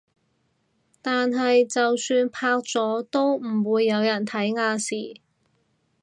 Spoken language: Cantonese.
但係就算拍咗都唔會有人睇亞視